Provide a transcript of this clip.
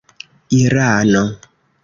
irano